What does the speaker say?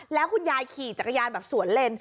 แล้วคุณยายขี่จักรยานแบบสวนเลน